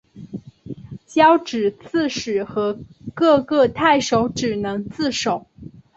交址刺史和各个太守只能自守。